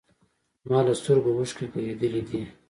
زما له سترګو اوښکې بهېدلي دي